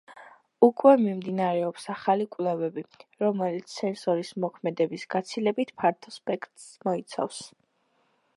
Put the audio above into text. უკვე მიმდინარეობს ახალი კვლევები, რომელიც სენსორის მოქმედების გაცილებით ფართო სპექტრს მოიცავს.